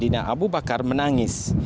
dan nama abu bakar menangis